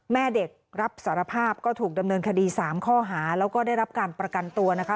แม่เด็กรับสารภาพก็ถูกดำเนินคดี๓ข้อหาแล้วก็ได้รับการประกันตัวนะคะ